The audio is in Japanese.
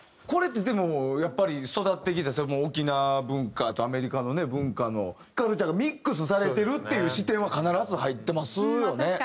これってでもやっぱり育ってきた沖縄文化とアメリカの文化のカルチャーがミックスされてるっていう視点は必ず入ってますよね。